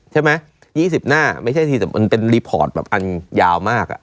ใช่ไหม๒๐หน้าไม่ใช่ทีแต่มันเป็นรีพอร์ตแบบอันยาวมาก